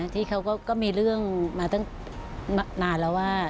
ที่เขาก็มีเรื่องมาตั้งนานแล้วว่า